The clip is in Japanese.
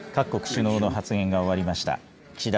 各国首脳の発言が終わりました。